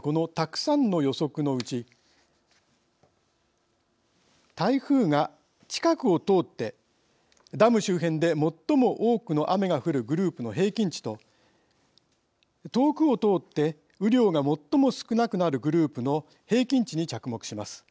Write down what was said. この、たくさんの予測のうち台風が近くを通ってダム周辺で最も多く雨が降るグループの平均値と遠くを通って雨量が最も少なくなるグループの平均値に着目します。